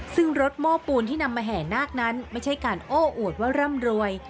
ซึ่งรถโม้ปูนที่นำมาแห่นาคนั้นไม่ใช่การโอ้อวดว่าร่ำรวย